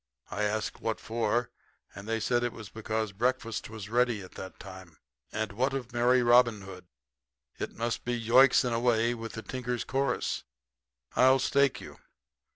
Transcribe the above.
I asked what for, and they said because breakfast was ready at that time. And what of merry Robin Hood? It must be Yoicks! and away with the tinkers' chorus. I'll stake you.